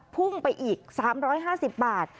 พุ่งไปอีก๓๕๐บาท